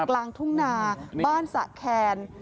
กลางทุ่งนาบ้านสะแคน